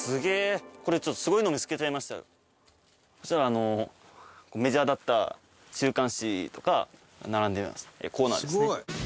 こちらあのメジャーだった週刊誌とか並んでるコーナーですね。